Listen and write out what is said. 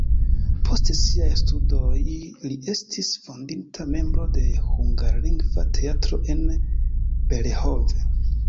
Post siaj studoj li estis fondinta membro de hungarlingva teatro en Berehove.